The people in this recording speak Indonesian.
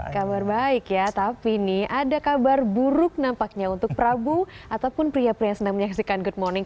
kabar baik ya tapi nih ada kabar buruk nampaknya untuk prabu ataupun pria pria yang sedang menyaksikan good morning